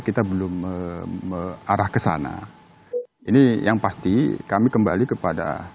kita belum mengarah ke sana ini yang pasti kami kembali kepada